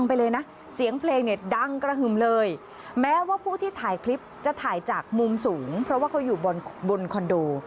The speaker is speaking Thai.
เพราะว่าผู้ที่ถ่ายคลิปจะถ่ายจากมุมสูงเพราะว่าเขาอยู่บนคอนโด